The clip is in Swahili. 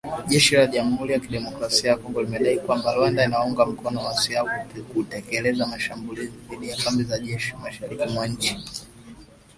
Jeshi la jamuhuri ya kidemokrasia ya Kongo limedai kwamba Rwanda inawaunga mkono waasi hao kutekeleza mashambulizi dhidi ya kambi za jeshi mashariki mwa nchi